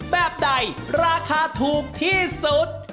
แบบใดราคาถูกที่สุด